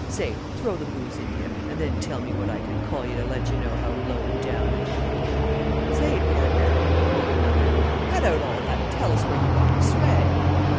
Say! throw the booze into you, and then tell me what I can call you to let you know how low down I think you." "Say! partner," called another, "cut out all that and tell us where you got the swag."